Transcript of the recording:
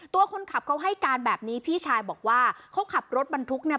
ตัวคนขับเขาให้การแบบนี้พี่ชายบอกว่าเขาขับรถบรรทุกเนี่ย